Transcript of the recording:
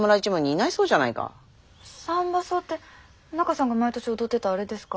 「三番叟」って中さんが毎年踊ってたあれですか？